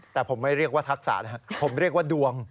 แต่ผมไม่เรียกว่าทักษะนะครับผมเรียกว่าดวง